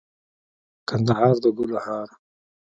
کندهار دګلو هار